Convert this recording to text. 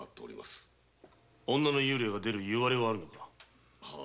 女の幽霊が出るいわれはあるのか？